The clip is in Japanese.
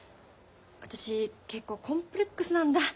私結構コンプレックスなんだ女として。